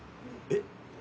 えっ？